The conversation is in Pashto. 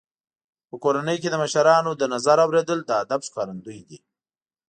په کورنۍ کې د مشرانو د نظر اورېدل د ادب ښکارندوی دی.